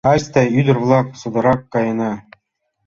— Айста, ӱдыр-влак, содоррак каена.